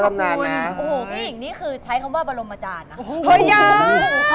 ไม่เจ้าว่าหาอะไรกินอยู่หรอก